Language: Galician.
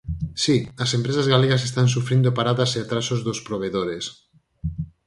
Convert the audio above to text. Si, as empresas galegas están sufrindo paradas e atrasos dos provedores.